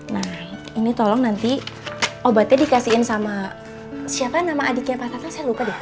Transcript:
nah ini tolong nanti obatnya dikasihin sama siapa nama adiknya pak tatang saya lupa deh